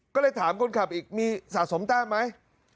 ก็เลยถามคนขับอีกมีสะสมแต้มไหม